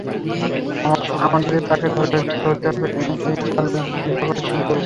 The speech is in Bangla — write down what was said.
আমাদের তাকে ধরতে হবে এই চার ব্যক্তির ব্যাপারে কী করবো স্যার?